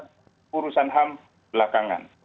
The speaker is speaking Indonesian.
pas pas urusan ham belakangan